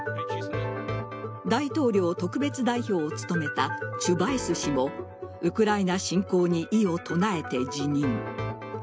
大統領特別代表を務めたチュバイス氏もウクライナ侵攻に異を唱えて辞任。